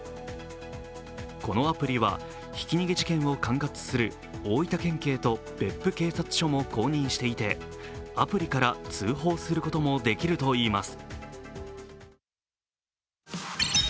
このアプリはひき逃げ事件を管轄する大分県警と別府警察署も公認していてアプリから通報することもできるといいます。